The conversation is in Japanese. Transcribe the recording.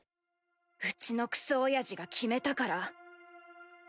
うちのクソおやじが決めたから。